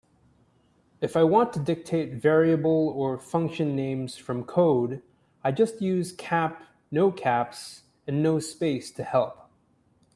If I want to dictate variable or function names from code, I just use "cap", "no caps", and "no space" to help.